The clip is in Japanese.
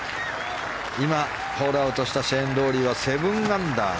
今、ホールアウトしたシェーン・ロウリーは７アンダー。